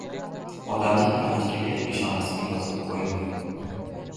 • Odamning kamchiligi peshonasiga yozib qo‘yilmagan.